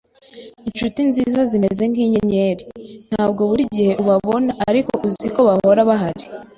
Inshuti nziza zimeze nkinyenyeri. Ntabwo buri gihe ubabona, ariko uziko bahora bahari.